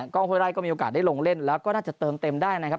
ห้วยไร่ก็มีโอกาสได้ลงเล่นแล้วก็น่าจะเติมเต็มได้นะครับ